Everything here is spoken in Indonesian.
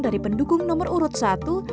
dari pendukung nomor urut satu